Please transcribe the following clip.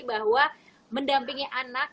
bahwa mendampingi anak